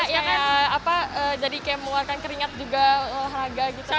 ya apa dari kayak melakukan keringat juga olahraga gitu kan